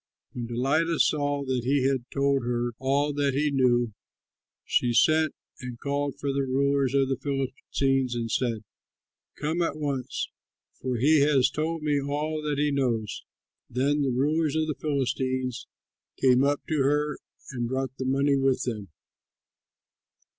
When Delilah saw that he had told her all that he knew, she sent and called for the rulers of the Philistines and said, "Come at once, for he has told me all that he knows." Then the rulers of the Philistines came up to her and brought the money with them.